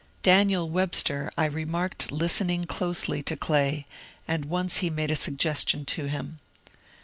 Daniel Webster I remarked listening closely to Clay, and once he made a suggestion to him.